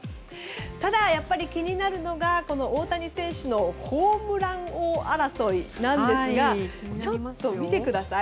ただ、やっぱり気になるのが大谷選手のホームラン王争いなんですがちょっと、見てください